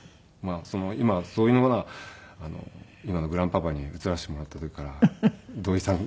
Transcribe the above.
今そういうものは今のグランパパに移らせてもらった時から土井さん。